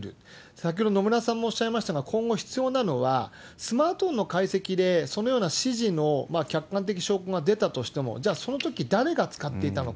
先ほど、野村さんもおっしゃいましたが、今後必要なのは、スマートフォンの解析で、そのような指示の客観的証拠が出たとしても、じゃあそのとき誰が使っていたのか。